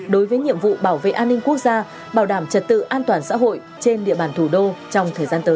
đối với nhiệm vụ bảo vệ an ninh quốc gia bảo đảm trật tự an toàn xã hội trên địa bàn thủ đô trong thời gian tới